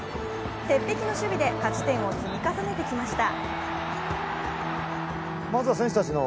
鉄壁の守備で、勝ち点を積み重ねてきました。